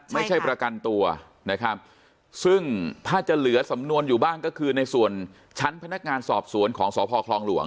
ประกันตัวนะครับซึ่งถ้าจะเหลือสำนวนอยู่บ้างก็คือในส่วนชั้นพนักงานสอบสวนของสพคลองหลวง